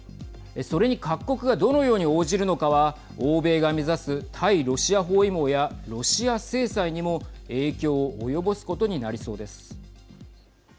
それに各国がどのように応じるのかは欧米が目指す対ロシア包囲網やロシア制裁にも影響を及ぼすことになりそうです。